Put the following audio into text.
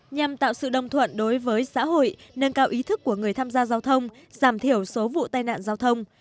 nhằm tạo sự đồng thuận đối với xã hội nâng cao ý thức của người tham gia giao thông giảm thiểu số vụ tai nạn giao thông